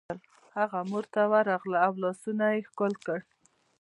هغه مور ته ورغله او لاسونه یې ښکل کړل